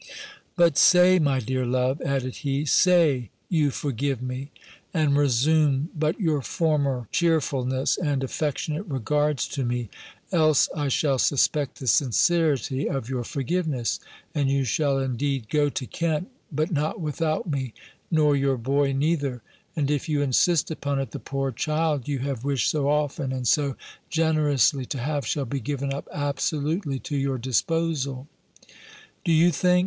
"But say, my dear love," added he, "say you forgive me; and resume but your former cheerfulness, and affectionate regards to me, else I shall suspect the sincerity of your forgiveness: and you shall indeed go to Kent, but not without me, nor your boy neither; and if you insist upon it, the poor child you have wished so often and so generously to have, shall be given up absolutely to your disposal." Do you think.